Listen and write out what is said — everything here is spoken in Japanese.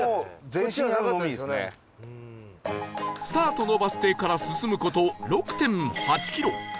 スタートのバス停から進む事 ６．８ キロ